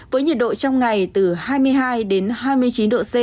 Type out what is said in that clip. với nhiệt độ trong ngày từ hai mươi hai đến hai mươi chín độ c